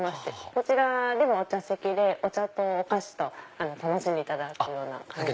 こちらお茶席でお茶とお菓子楽しんでいただく感じです。